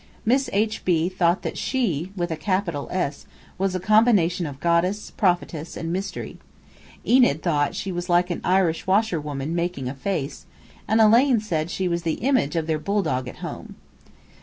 Miss H. B. thought that She (with a capital S) was a combination of Goddess, Prophetess, and Mystery. Enid thought she was like an Irish washerwoman making a face; and Elaine said she was the image of their bulldog at home.